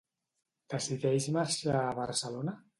Decideix marxar a Barcelona?